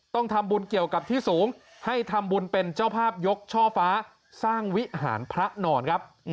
ต้องทำบุญเกี่ยวกับที่สูงให้ทำบุญเป็นเจ้าภาพยกช่อฟ้าสร้างวิหารพระนอนครับ